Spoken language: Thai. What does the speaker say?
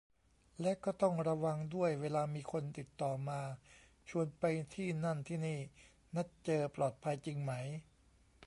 และก็ต้องระวังด้วยเวลามีคนติดต่อมาชวนไปที่นั่นที่นี่ นัดเจอ ปลอดภัยจริงไหม